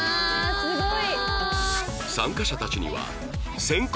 すごい。